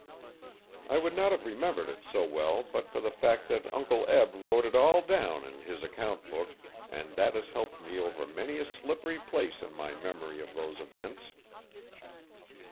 I would not have remembered it so well but for the fact that Uncle Eb wrote it all down in his account book and that has helped me over many a slippery place in my memory of those events.